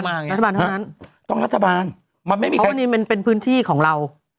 รัฐบาลเท่านั้นต้องรัฐบาลมันไม่มีกรณีมันเป็นพื้นที่ของเรา